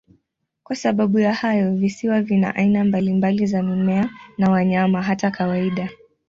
Kwa sababu ya hayo, visiwa vina aina mbalimbali za mimea na wanyama, hata kawaida.